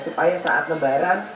supaya saat lebaran